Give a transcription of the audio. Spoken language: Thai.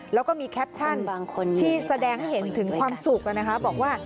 แล้วก็มีแคปชั่นที่แสดงให้เห็นถึงความสุขบอกว่า